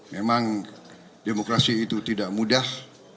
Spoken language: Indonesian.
memang demokrasi itu tidak mudah